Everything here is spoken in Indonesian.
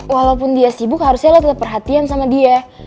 walaupun dia sibuk harusnya lo tetep perhatian sama dia